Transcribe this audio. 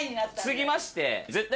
継ぎまして。